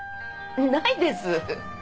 ないです。